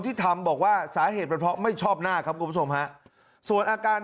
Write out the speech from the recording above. ที่ทำบอกว่าสาเหตุเป็นเพราะไม่ชอบหน้าครับคุณผู้ชมฮะส่วนอาการ